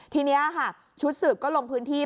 ทีนี้ค่ะชุดสืบก็ลงพื้นที่